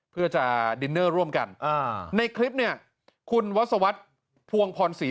เพื่อจะดินเนอร์ร่วมกันอ่าในคลิปเนี่ยคุณวัศวรรษภวงพรศรี